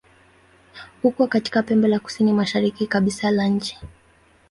Uko katika pembe la kusini-mashariki kabisa la nchi.